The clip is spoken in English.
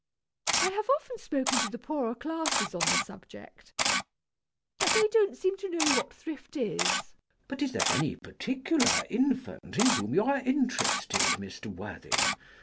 I have often spoken to the poorer classes on the subject. But they don't seem to know what thrift is. CHASUBLE. But is there any particular infant in whom you are interested, Mr. Worthing?